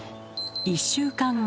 １週間後。